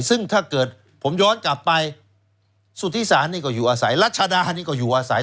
ซึ่งถ้าเกิดผมย้อนกลับไปสุธิศาลนี่ก็อยู่อาศัยรัชดานี่ก็อยู่อาศัย